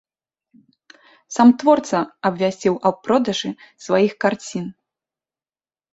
Сам творца абвясціў аб продажы сваіх карцін.